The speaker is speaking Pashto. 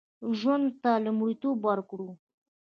ژوند ته لومړیتوب ورکړو